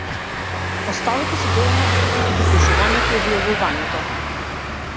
Оставете си доволно време меѓу пишувањето и објавувањето.